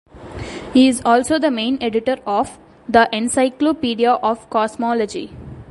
He is also the main editor of "The Encyclopedia of Cosmology".